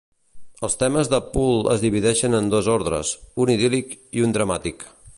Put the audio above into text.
Els temes de Poole es divideixen en dos ordres: un idíl·lic i un dramàtic.